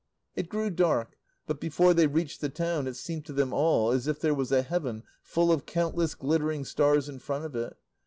It grew dark; but before they reached the town it seemed to them all as if there was a heaven full of countless glittering stars in front of it.